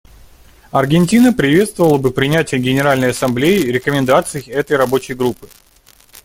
Аргентина приветствовала бы принятие Генеральной Ассамблеей рекомендаций этой Рабочей группы.